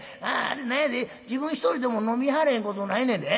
何やで自分一人でも飲みはれへんことないねんで。